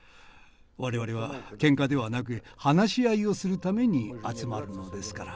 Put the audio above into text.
我々はけんかではなく話し合いをするために集まるのですから。